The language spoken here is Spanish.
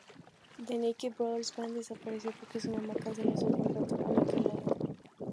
The Naked Brothers Band desapareció porque su mamá canceló su contrato con Nickelodeon.